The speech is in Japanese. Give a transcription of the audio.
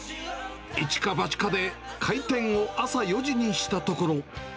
一か八かで開店を朝４時にしたところ。